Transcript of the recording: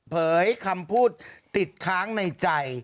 คำพูดติดค้างในใจ